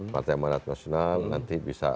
partai amanat nasional nanti bisa